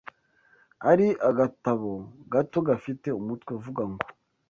ari agatabo gato gafite umutwe uvuga ngo